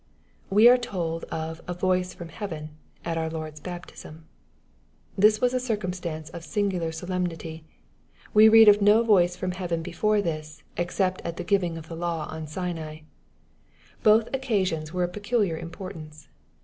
'' We are told of " a voice from heaven" at our Lord's baptism. This was a circumstance of singular solemnity. We read of no voice from heaven before this, except at the giving of the law on Sinai. Both occasions were of peculiar importance.